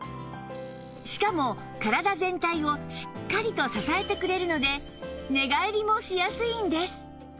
しかも体全体をしっかりと支えてくれるので寝返りもしやすいんです